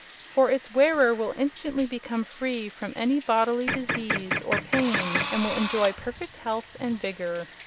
For its wearer will instantly become free from any bodily disease or pain and will enjoy perfect health and vigor.